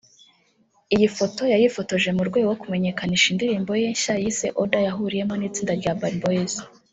Iyi foto yayifotoje mu rwego kumenyekanisha indirimbo ye nshya yise Order yahuriyemo n’itsinda rya Urban Boys